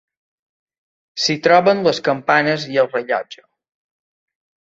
S'hi troben les campanes i el rellotge.